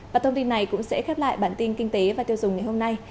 và thông tin này cũng sẽ khép lại bản tin kinh tế và tiêu dùng ngày hôm nay